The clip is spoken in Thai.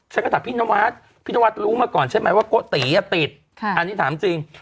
ฉันก็ถามพี่นวัดพี่นวัดรู้มาก่อนใช่ไหมว่าโกติติดอันนี้ถามจริง